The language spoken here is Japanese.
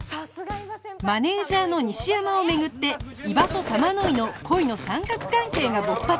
マネージャーの西山を巡って伊庭と玉乃井の恋の三角関係が勃発